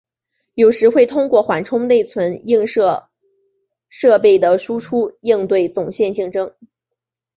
有时会通过缓冲内存映射设备的输出应对总线竞争。